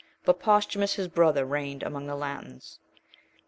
But Posthumus his brother reigned among the Latins.